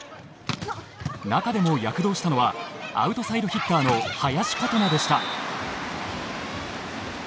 中でも躍動したのはアウトサイドヒッターの林琴奈でした。